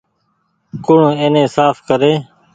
ڪوڻ ايني ساڦ ڪري ۔